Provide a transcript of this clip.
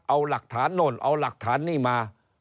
เอาหลักฐานโน่นเอาหลักฐานนี่มา